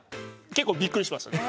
結構びっくりしましたね。